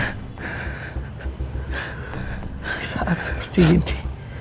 di saat seperti ini